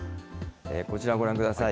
こちら、ご覧ください。